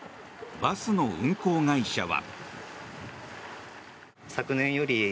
バスの運行会社は。